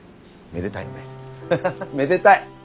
めでたいねハハハめでたい！